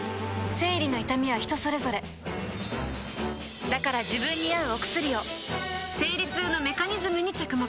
生理の痛みは人それぞれだから自分に合うお薬を生理痛のメカニズムに着目